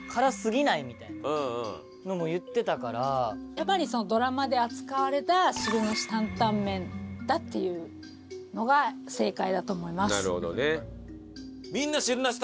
やっぱりドラマで扱われた汁なし担々麺だっていうのが正解だと思いますなるほどね。